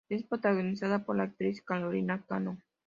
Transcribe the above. Es protagonizada por la actriz Carolina Cano.